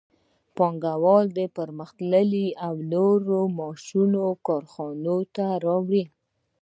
پانګوال پرمختللي او نوي ماشینونه کارخانو ته راوړي